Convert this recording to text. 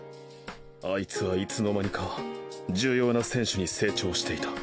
アイツはいつの間にか重要な選手に成長していた。